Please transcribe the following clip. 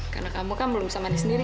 karena kamu kan belum bisa mandi sendiri